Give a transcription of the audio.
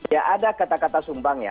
ya ada kata kata sumbang ya